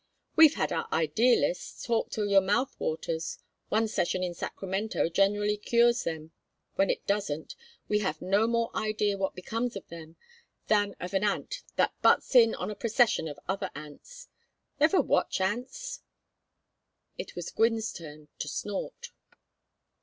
We've had our idealists talk till your mouth waters. One session in Sacramento generally cures them. When it doesn't, we have no more idea what becomes of them than of an ant that butts in on a procession of other ants. Ever watch ants?" It was Gwynne's turn to snort.